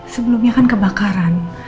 sebelumnya kan kebakaran